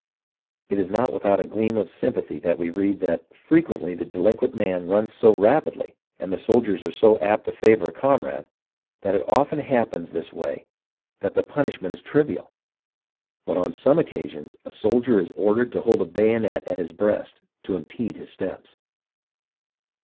It is not without a gleam of sympathy that we read that "frequently the delinquent runs so rapidly, and the soldiers are so apt to favour a comrade, that it often happens in this way that THE REVOLT OF THE SOLDIERS 307 the punishment is trivial ; but on some occasions a soldier is ordered to hold a bayonet at his breast to impede his steps."